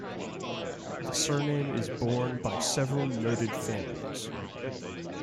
The surname is borne by several noted families.